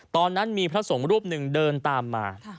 ตอนนั้นมีพระสงฆ์รูปหนึ่งเดินตามมา